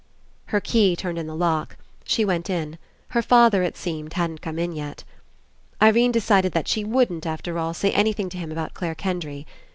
Her key turned In the lock. She went in. Her father, it seemed, hadn't come in yet. Irene decided that she wouldn't, after all, say anything to him about Clare Kendry.